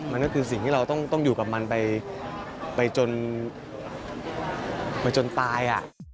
มันก็คือสิ่งที่เราต้องอยู่กับมันไปจนตาย